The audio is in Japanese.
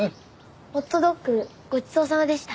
ホットドッグごちそうさまでした。